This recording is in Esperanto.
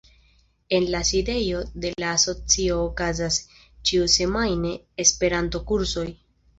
En la sidejo de la Asocio okazas ĉiusemajne Esperanto-kursoj.